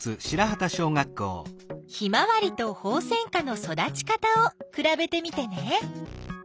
ヒマワリとホウセンカの育ち方をくらべてみてね。